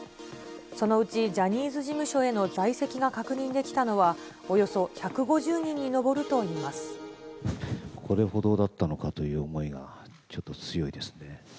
そのうちジャニーズ事務所への在籍が確認できたのはおよそ１５０これほどだったのかという思いがちょっと強いですね。